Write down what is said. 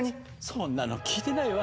そんなの聞いてないわ。